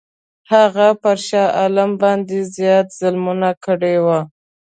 هغه پر شاه عالم باندي زیات ظلمونه کړي وه.